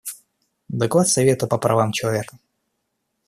Доклад Совета по правам человека.